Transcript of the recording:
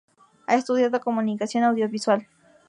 Ha estudiado Comunicación Audiovisual.